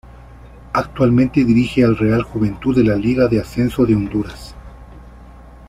Actualmente dirige al Real Juventud de la Liga de Ascenso de Honduras.